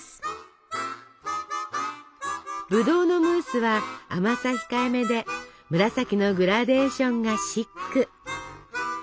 ぶどうのムースは甘さ控えめで紫のグラデーションがシック。